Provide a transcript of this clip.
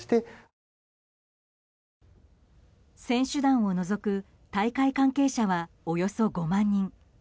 選手団を除く大会関係者はおよそ５万人。